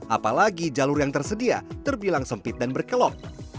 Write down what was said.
apalagi jalur yang tersedia terbilang sempit dan berkelok